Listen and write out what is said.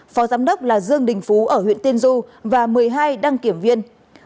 phó giám đốc là dương đình phú ở huyện tiên du và một mươi hai đăng kiểm viên